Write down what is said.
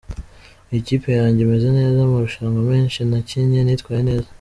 Mu ikipe yanjye meze neza, amarushanwa menshi nakinnye nitwaye neza.